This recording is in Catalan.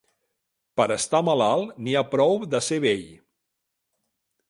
Per estar malalt n'hi ha prou de ser vell.